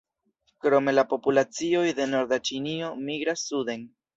Krome la populacioj de norda Ĉinio migras suden.